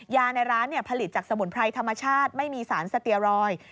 ในร้านผลิตจากสมุนไพรธรรมชาติไม่มีสารสเตียรอยด์